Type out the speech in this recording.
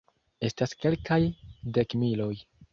Estas kelkaj dekmiloj.